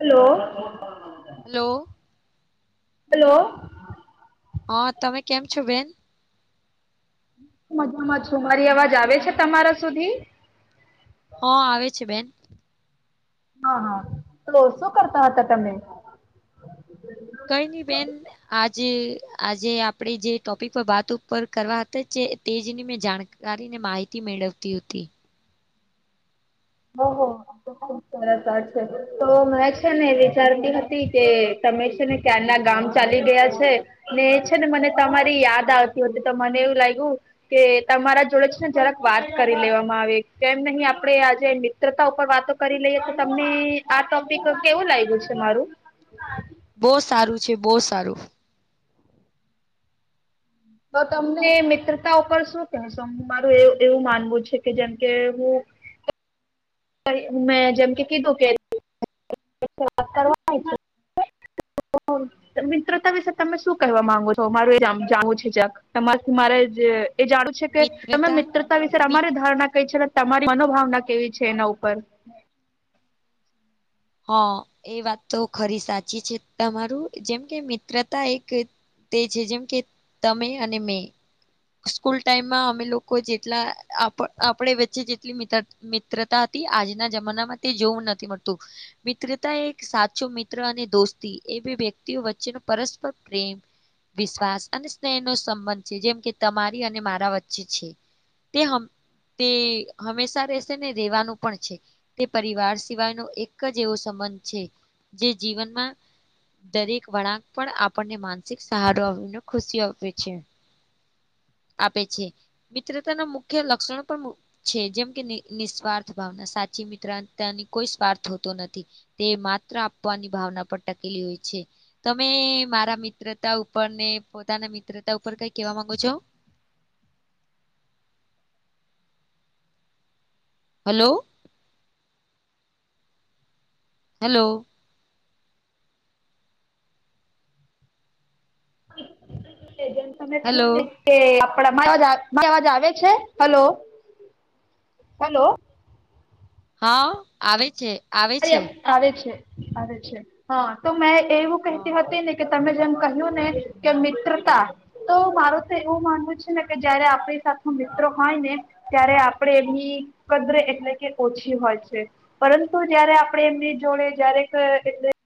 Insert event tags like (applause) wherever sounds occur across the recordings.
હાલો. Hello. Hello. હા તમે કેમ છો બેન. હું મજામાં છું, મારી અવાજ આવે છે, તમારા સુધી હા આવે છે, બેન હા, હા, તો શું કરતા હતા તમે કંઈ નહી બેન આજે આજે આપે જે ટોપિક પર વાત ઉપર કરવા હતા. જ તેજની મેં જાણકારી ને માહિતી મેળવતી હતી. ઓહો આ તો ખુબ સરસ વાત છે, તો મે છે ને વિચારતી હતી કે તમે છે, ને ક્યાારના ગામ ચાલી ગયા છે, ને એ છે ને મને તમારી યાદ આવતી હોતી તો મને- કે તમારા જોડે છે, ને જરાક વાત કરી લેવામાં આવે કેમ નહીં આપડે. મિત્રતા ઉપર વાતો કરી લઈએ તો તમને આ ટોપિક કેવું લાગ્યું છે, મારું હા. બહુ સારું છે, બહુ સારું તો તમને મિત્રતા ઉપર શું કહેશો મારું એ એવું માનવું છે કે જેમ કે હું મેં જેમ કે કીધું કે વા કરવા (inaudible) મિત્રતા વિશે તમે શું કહેવા માંગો છો મારું એ જાણવું છે જરાક તમારેથી મારે જે એ જાણવું છે કે તમે મિત્રતા મિત્રતા વિશે મિત તમારી ધારણા કઈ છે. તમારી મનોભાવના કેવી છે એના ઉપર હા એ વાત તો ખરી સાચી છે તમારું જેમ કે મિત્રતા એક તે છે જેમ કે તમે અને મે સ્કૂલ ટાઈમમાં અમે લોકો જેટલા આપ આપણે વચ્ચે જેટલી મિત્ર મિત્રતા હતી આજના જમાનામાં તે જોવું નથી મળતું મિત્રતા એક સાચો મિત્ર અને દોસ્તી એ બે વ્યક્તિઓ વચ્ચેનો પરસ્પર પ્રેમ વિશ્વાસ અને સ્નેહ નો સંબંધ છે જેમ કે તમારી અને મારા વચ્ચે છે તે- તે હંમેશા રહેશે ને રેવાનું પણ છે તે પરિવાર સિવાય નો એક જ એવો સબંધ સબંધ છે જે જીવનમાં દરેક વળાંક પણ આપણને માનસિક સહારો આપણને ખુશીઓ આપે છે. હ આપે છે મિત્રતાના મુખ્ય લક્ષણો પણ મુ છે જેમ કે નિસ્વાર્થ ભાવના સાચી મિત્રતાની કોઈ સ્વાર્થ હોતો નથી તે માત્ર આપવાની ભાવના પર ટકેલી હોય છે. તમે મારા મિત્રતા ઉપર ને પોતાના મિત્રતા ઉપર કઈ કેવા માંગો છો? હલો. હેલો. તમે થયું હલો ને કે (inaudible) અવાજ આવે છે હલો હલો હા આવે છે. આવે છે આવે છે આવે છે હા તો મેં એવું હા કહેતી હતી ને કે તમે જેમ કહ્યું ને કે મિત્રતા તો મારૂ તો એવું માનવું છે ને કે જયારે આપણી મિત્ર હોય ને ત્યારે આપણે એમની કદર એટલે કે ઓછી હોય છે પરંતુ તો જયારે આપડે એમની જોડે જયારે (inaudible)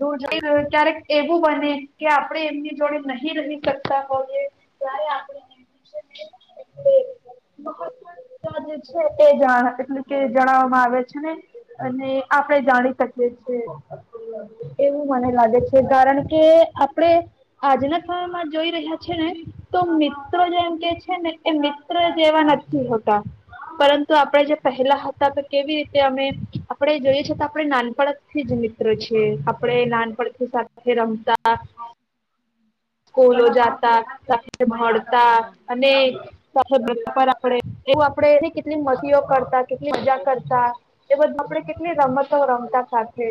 દૂર જાય ક્યારેક એવું બને કે આપણે એમની જોડે નહીં રહી શકતા હોઈએ. ત્યારે આપણે (inaudible) (inaudible) એ એટલે કે જણાવવામાં આવે છે ને એમને આપણે જાણી શકીએ છીએ. એવું મને લાગે છે કારણ કે આપડે આજના સમયમાં જોઈ રહ્યા છે ને તો મિત્રો જેમ કે છે ને એ મિત્ર જેવા નથી હોતા પરંતુ આપણે જે પહેલા હતા તો કેવી રીતે અમે આપડે જોઈએ છીએ તો આપણે નાનપણથી જ મિત્રો છીએ. આપણે નાનપણથી સાથે રમતા સ્કૂલો જાતા, સાથે મળતા હા અને તો આપે (inaudible) આપડે એવું આપડે કેટલી મસતીઓ કરતાં કેટલી મજા કરતાં એ બધું આપણે કેટલી રમતો રમતા સાથે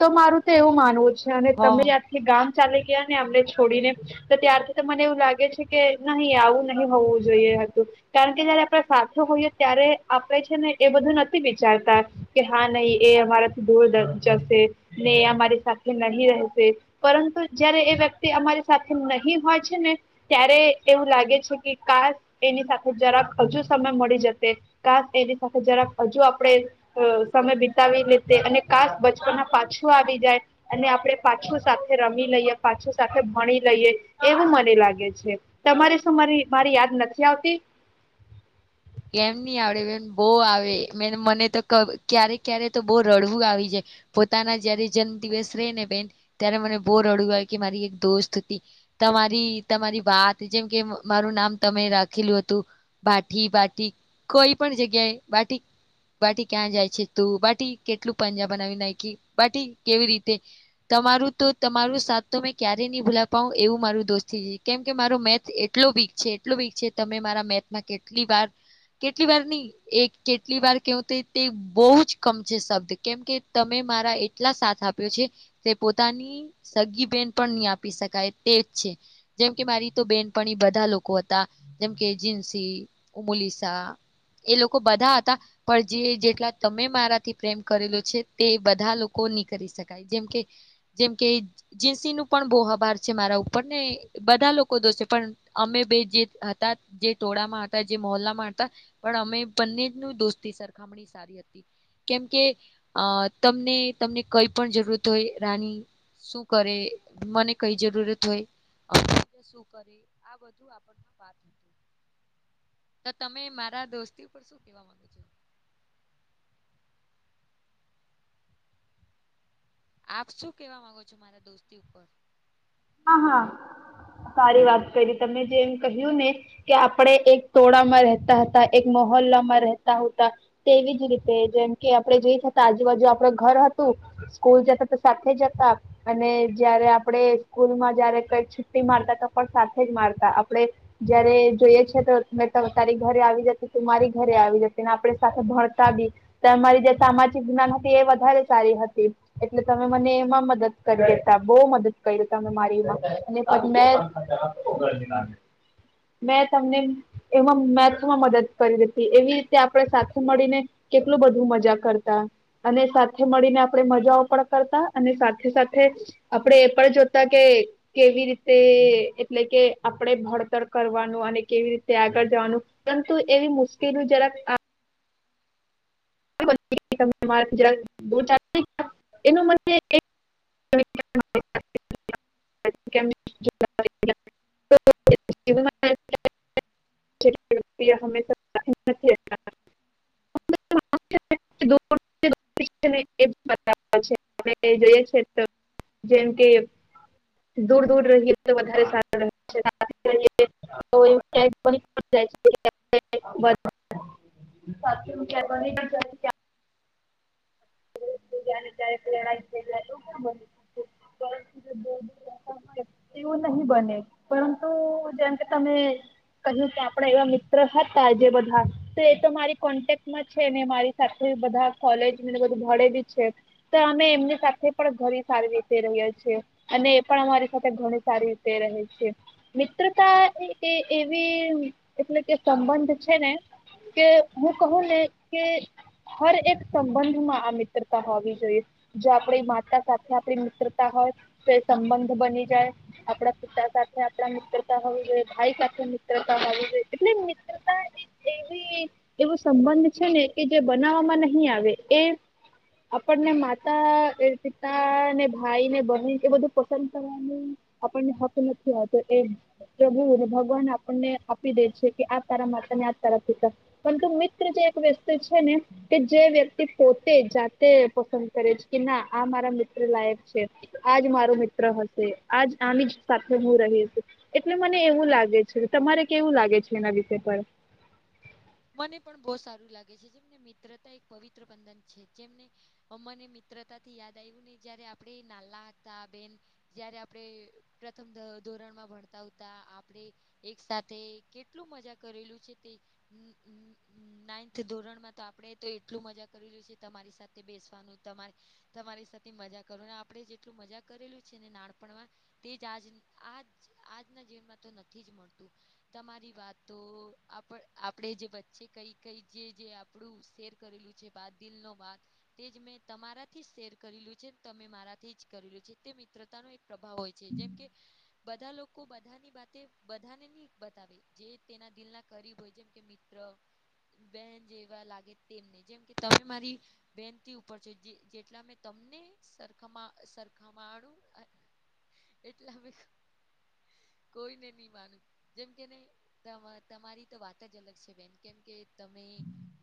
તો મારું તો એવું માનવું છે અને તમે હા અયાથી ગામ ચાલી ગયા ને અમને છોડી છોડીને તો ત્યારથી તો મને એવું લાગે છે કે નહીં આવું નહીં હોવું જોઈએ હતું કારણ કે આપણે સાથે હોઈએ ત્યારે આપણે છે ને એ બધું નથી વિચારતા કે હા નહીં એ અમારા દૂર દ જશે ને અમારી સાથે નહીં રહેશે પરંતુ જયારે એ વ્યક તિ અમારી સાથે નહીં હોય છે ને ત્યારે એવું લાગે છે કે કાસ એની સાથે જરા ક હજુ સમય મળી જશે કાસ એની સાથે જરાક હજુ આપણે અ સમય વિતાવી લે તે અને કાસ બચપના પાછું આવી જાય અને આપણે પાછું સાથે રમી લઈએ પાછું સાથે ભણી લઈએ એવું મને લાગે છે તમારે શું મારે મારી યાદ નથી આવતી? હ કેમ નહીં આવે? બોવ આવે મેં મને તો ક્યારેક ક્યારેક તો બહુ રડવું આવી જાય. પોતાના જયારે જન્મદિવસ રેય ને બેન ત્યારે મને બો રડવું આવે કે મારી એક દોસ્ત હતી તમારી તમારી વાત જેમ કે મારું નામ તમે રાખેલું હતું બાઠી બા ઠી કોઈ પણ જગ્યાએ બાઠી બાઠી ક્યાં જાય છે તો બાઠી કેટલું પાંજા બનાવી નાખી બાઠી કેવી રીતે તમારું તો તમારું સાથ તો મેં ક્યારે ની ભૂલા પાવ એવું મારું દોસ્તી છે કેમ કે મારો મેથ એટલો વીક છે એટલું વીક છે તમે મારા મેથમાં કેટલી વાર કેટલી વાર ની એક કેટલી વાર કેવું તે બહુ જ કમ છે શબ્દ કેમ કે તમે મારા એટલા સાથ આપ્યો છે કે પોતાની સગી બેન પણ ની આપી શકાય તે એજ છે જેમ કે મારી તો બેનપણી બધા લોકો હતાં જેમ કે જિન્સી ઉમોલીસા એ લોકો બધા હતાં પણ જે જેટલા તમે મારાથી પ્રેમ કરેલો છે તે બધા લોકો વુ ની કરી શકાય જેમ કે જેમ કે જીન્સીનું પણ બહુ આભાર છે મારા ઉપર ને બધા લોકો દોસે પણ અમે બે જે હતા જે ટોળામાં હ તા જે મોહલ્લા હતા પણ અમે બંનેનું દોસ્તી સરખામણી સારી હતી. કેમ કે અ તમને તમને કઈ પણ જરૂરત હોય રાની શું કરે મને કઈ જરૂરત હોય શું કરે આ બધું આપણ વાત તો તમે મારા દોસ્તી ઉપર શું કેવા માંગુ છો આપ શું કેવા માંગો છો મારા દોસ્તી ઉપર હા હા સારી વાત હા કરી તમે જેમ કહ્યું ને કે આપણે એક ટોળામાં રહેતાં હતાં એક મહોલ્લામાં રહેતા ઉતા તે એવી જ રીતે જેમ કે આપણે જઈ હતા આજુબાજુ આપણા ઘર હતું સ્કૂલ જતા તો સાથે જતાં. અને જયારે આપણે સ્કૂલમાં જયારે કઈક છુટ્ટી મારતા તો પણ સાથે જ મારતાં આપણેે જયારે જોઈએ છે તો એ તારી ઘરે આવી જતી તું મારી ઘરે આવી જતી ને આપણે સાથે ભણતા બી તમારી જે સામાજિક વિજ્ઞાન એ વધારે સારી હતી એટલે તમે મને એમાં મદદ કરી દેતા બહુ મદદ કયરી. તમે મારી એમાં ને મેં મેં તમને એમાં મેથમાં મદદ કરી હતી એવી રીતે આપણે સાથે મળીને કેટલું બધું મજા કરતાં અને સાથે મળીને આપણે મજાઓ પણ કરતાં અને સાથે-સાથે આપડે એ પણ જો તા કે કેવી રીતે એટલે કે આપણે ભણતર કરવાનું અને કેવી રીતે આ ગળ જવાનું પરંતુ એવી મુશ્કેલી જરાક આ એ બધી વાત જ્યારે મને બહુ થાતી એનું મને કઈક (inaudible) (inaudible) (unintelligible) (inaudible) (unintelligible) જેમ કે દૂર દૂર રહીએ તો વધારે સારું રહે પાસે રહીએ તો ક્યાંક પણ (inaudible) બીજાની ક્યારે પ્રેરણા થઈ જાય તો ક બની એવું નહી બને પરંતુ જેમ કે તમે કહ્યું કે આપડા એવા મિત્ર હતા જે બધા તો એ તો મારી કોન્ટેક્ટમાં છે ને મારી સાથે બધા કોલેજ ને બધું મળે ભી છે તો અમે એમની સાથે પણ ઘણી સારી રીતે રહીએ છીએ અને એ પણ અમારી સાથે ઘણી સારી રીતે રહે છે. મિત્રતા એ એ એવી એટલે કે સંબંધ છે ને કે હું કહું ને કે હર એક સંબંધમાં આ મિ ત્રતા હોવી જોઈએ જો આપણી માતા સાથે આપણી મિત્રતા હોય તો એ સંબંધ બની જાય આપડા પિતા સાથે આપડા મિત્રતા હોવી જોઈએ ભાઈ સાથે મિત્રતા હોવી જોઈએ એટલે મિત્રતા એવી એવો સંબંધ છે ને કે જે બનાવવામાં નહી આવે એ (inaudible) આપણને માતા એ પિતા ને ભાઈ ને બહેન એ બધું પસંદ કરવાની આપણને હક નથી હોતો એ પ્રભુ ભગવાન આપણને આપી દે છે કે આપ તારા માતાને આજ તારા પિતા પરંતુ મિત્ર જે એક વ્યતિ છે ને કે જે વ્યક્તિ પો તે જાતે પસંદ કરે છે કે ના આ મારા મિત્ર લાયક છે આજ મારું મિત્ર હશે આજ આની જ સાથે હું રહી છું એટલે મને એવું લાગે છે તમારે કેવું લાગે છે એના વિ શે પણ મને પણ બો સારું લાગે છે જેમને મિત્રતા એક પવિત્ર બંધન છે જેમને અમને મિત્રતા થી યાદ આયવુ જે જયારે આપણે નાલા હતા બેન જયારે આપણે પ્રથમ ધો રણમાં ભણતા ઉતા આપણે એક સાથે કેટલું મજા કરેલું છે તે નાઇન્થ ધોરણમાં તો આપણે તો એટલું મજા કરીલું છે તમારી સાથે બેસવાનું તમા તમારે સાથે મજા કરો આપણે જેટલું મજા કરેલું છે ને નાનપણમાં તેજ આજ આજના જીવનમાં તો નથી જ મળતું તમારી વાતો આપણ આપણે જે વચ્ચે કઈ કઈ જે આપણું શેર કરેલું છે બાત દિલ ન વાત તે જ મેં તમારાથી શેર કરેલું છે તમે મારાથી જ કરેલું છે તે મિત્રતાનું એક પ્રભાવ હોય છે જેમ કે બધા લોકો બધાની વાતે બધાને નહી બતાવે જે તેના દિલ ના કરીરીબ હોય જેમ કે મિત્ર બેન જેવા લાગે તેમને જેમ કે તમે મારી બેનથી ઉપર છો જેટલા મેં તમ ને સરખમા સરખામાણું એટલે કોઈને નહી માનું જેમ કેને તમારી તો વાત (unintelligible) બેન કેમકે તમે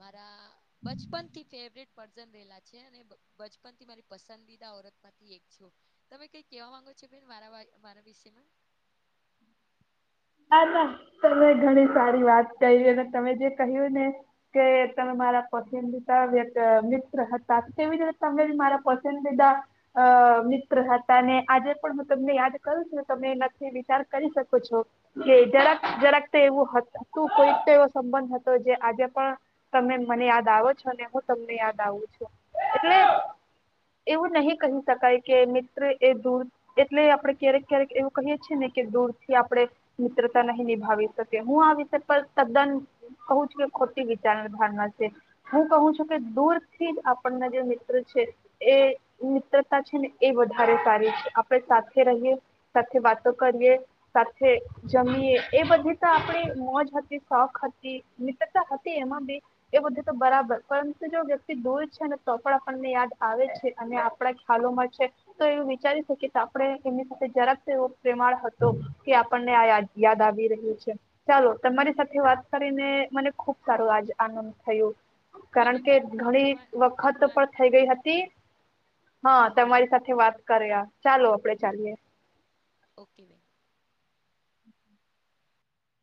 મારા બચપનથી ફેવરેટ પર્સન રહેલા છે અને બચપન થી મારી પસંદીદા ઓરત માંથી એક છો તમે કઈ કેવા માંગો છો મારા (unintelligible) વિષયમાં હમ હા ના તમે ઘણી સારી વાત ક અને તમે જે કહ્યું ને કે તમે મારા પસંદદીદા વ્યક્ મિત્ર હતા તેવીજ રીતે તમે બી મારા પસંદદીદા અ મિત્ર હતા ને આજે પણ હું તમને યાદ કરું છું ને તમે એનાથી વિચાર કરી શકો છો કે જરાક જરાક તો એવું હતું કોઈક તો એવો સંબંધ હતો જે આજે પણ તમે મને યાદ આવો છો અને હું તમને યાદ આવું છું એટલે એવું નહી કહી શકાય કે મિત્ર એ દૂર એટલે આપડણે ક્યારેક ક્યારેક એવું કહીએ છીએ ને. કે દૂર થી આપણે મિત્રતા નહી નિભાવી શકી હું આ વિષય પર તદ્દન કહું છું કે ખોટી વિચાર થારણા છે હું કહું છું કે દૂર થી જ આપણના જે મિત્ર છે. એ મિત્રતા છે ને એ વધારે સારી છે આપણે સાથે રહીએ સાથે વાત વાતો કરીએ સાથે જમીએ એ બધી તો આપણે મોજ હતી શોખ હતી મિત્રતા હતી એમાં બ એ બધું તો બરાબર પરંતુ જો વ્યક્તિ દૂર છે અને તો પણ આપણને યાદ આવે છે અને આપણા ખ્યાલો તો એવું વિચારી શકી આપણે એમની સાથે જરાક એવો પ્રમાળ હતો કે આપને યાદ આવી રહ્યું છે ચાલો તમારી સાથે વાત કરીને મને ખુબ સારું થયું મને કારણ કે પણ ઘણી મ મ વખત મ પણ થઈ ગઈ હતી હા તમારી સાથે વાત કર્યા ચાલો આપડે ચાલીએ. ઓકે બેન.